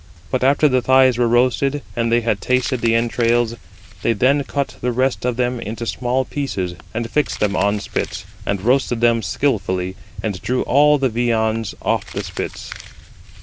But after the thighs were roasted, and they had tasted the entrails, they then cut the rest of them into small pieces, and fixed them on spits, and roasted them skilfully, and drew all the viands [off the spits].